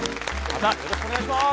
またよろしくお願いします。